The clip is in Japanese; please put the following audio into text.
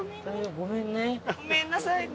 ごめんなさいね。